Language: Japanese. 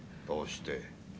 どうして？